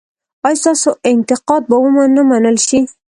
ایا ستاسو انتقاد به و نه منل شي؟